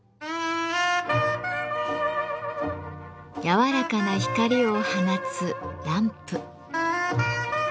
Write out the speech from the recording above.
柔らかな光を放つランプ。